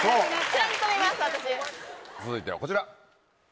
続いてはこちら。